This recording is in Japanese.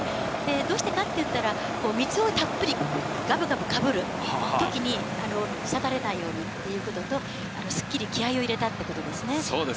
どうしてかっていったら、水をたっぷりがぶがぶかぶるときに、滴れないようにというところと、すっきり気合いを入れたってことそうですか。